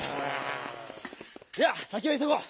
では先をいそごう！